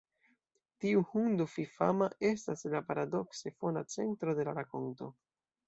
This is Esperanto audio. Tiu hundo fifama estas la paradokse fona centro de la rakonto.